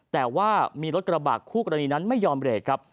แต่ว่ามีรถกระบักผู้กรณีนั้นไม่ยอมเรท